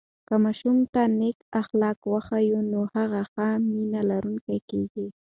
که ماشوم ته نیک اخلاق وښیو، نو هغه ښه مینه لرونکی کېږي.